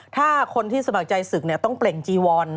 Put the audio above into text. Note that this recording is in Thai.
ถ้าคนที่สมัครใจศึกต้องเปล่งจีวอน